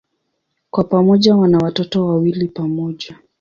Kwa pamoja wana watoto wawili pamoja.